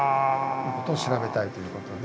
いうことを調べたいということで。